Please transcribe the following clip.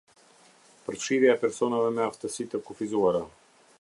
Përfshirja e personave me aftësi të kufizuara.